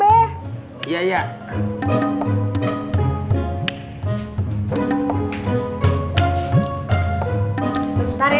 terus abis berhenti kalo bos persegi